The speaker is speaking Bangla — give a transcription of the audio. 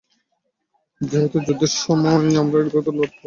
যেহেতু যুদ্ধের সময় আমরা একত্রে লড়তে পারিনি, এবার আমরা একসঙ্গে লড়ব।